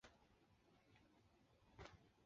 卢津定理是实分析的定理。